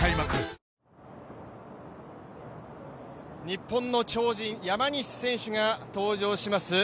日本の超人・山西選手が登場します。